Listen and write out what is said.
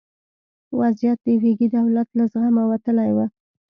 وضعیت د ویګي دولت له زغمه وتلی و.